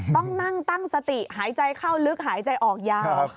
ต้องนั่งตั้งสติหายใจเข้าลึกหายใจออกยาว